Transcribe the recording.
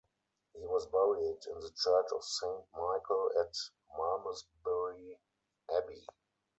He was buried in the church of Saint Michael at Malmesbury Abbey.